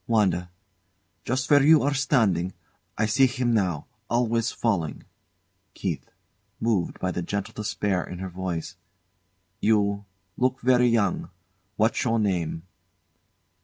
WANDA. Just where you are standing. I see him now, always falling. KEITH. [Moved by the gentle despair in her voice] You look very young. What's your name?